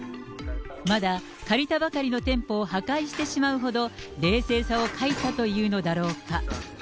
まだ借りたばかりの店舗を破壊してしまうほど、冷静さを欠いたというのだろうか。